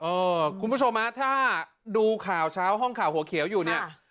เออคุณผู้ชมถ้าดูข่าวเช้าห้องข่าวหัวเขียวอยู่